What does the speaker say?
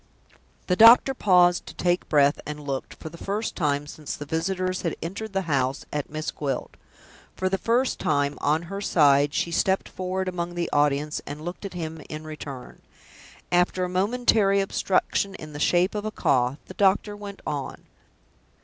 The doctor paused to take breath and looked, for the first time since the visitors had entered the house, at Miss Gwilt. For the first time, on her side, she stepped forward among the audience, and looked at him in return. After a momentary obstruction in the shape of a cough, the doctor went on.